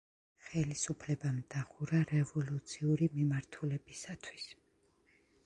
ხელისუფლებამ დახურა რევოლუციური მიმართულებისათვის.